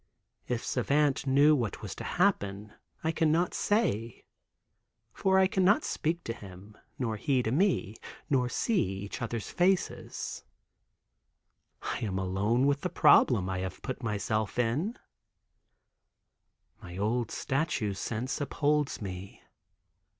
If Savant knew what was to happen, I cannot say, for I cannot speak to him, nor he to me, nor see each other's faces. I am alone with the problem I have put myself in. My old statue sense upholds me.